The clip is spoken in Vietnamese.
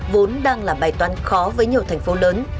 vốn đang là bài toán khó với nhiều thành phố lớn